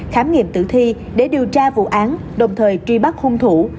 khám nghiệm tử thi để điều tra vụ án đồng thời truy bắt hung thủ